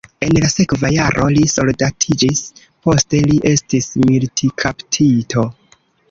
En la sekva jaro li soldatiĝis, poste li estis militkaptito.